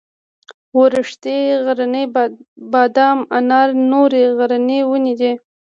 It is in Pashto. وړښتی غرنی بادام انار نورې غرنۍ ونې دي.